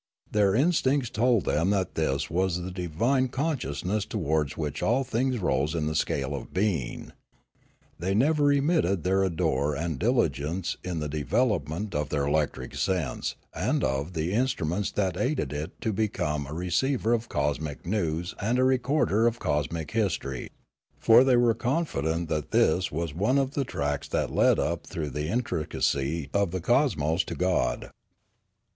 Their instincts told them that this was the divine consciousness towards which all things rose in the scale of being. They never remitted their ardour and diligence in the de velopment of their electric sense and of the instruments that aided it to become a receiver of cosmic news and a recorder of cosmic history, for they were confident that this was one of the tracks that led up through the intricacy of the cosmos to God.